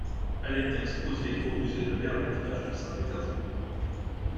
Elle est exposée au musée de l'Ermitage de Saint-Pétersbourg.